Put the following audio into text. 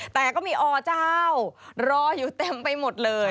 แต่ก็มีอเจ้ารออยู่เต็มไปหมดเลย